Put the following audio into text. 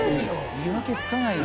見分けつかないよ。